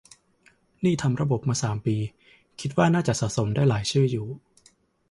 นี่ทำระบบมาสามปี คิดว่าน่าจะสะสมได้หลายชื่ออยู่